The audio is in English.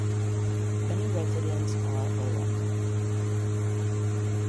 Many residents are olim.